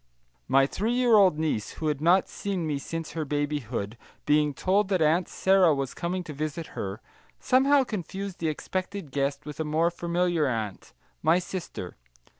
My three year old niece, who had not seen me since her babyhood, being told that Aunt Sara was coming to visit her, somehow confused the expected guest with a more familiar aunt, my sister.